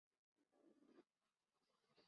日木伦独宫位于当圪希德独宫西北方向。